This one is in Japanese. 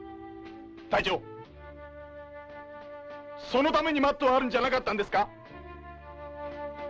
そのためにＭＡＴはあるんじゃなかったんですか？